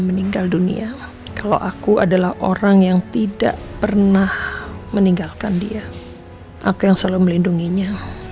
meninggal dunia kalau aku adalah orang yang tidak pernah meninggalkan dia aku yang selalu melindunginya